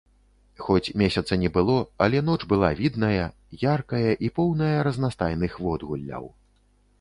Хоць месяца не было, але ноч была відная, яркая і поўная разнастайных водгулляў.